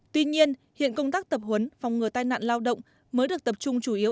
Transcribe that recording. tuy nhiên hiện công tác tập huấn phòng ngừa tai nạn lao động mới được tập trung chủ yếu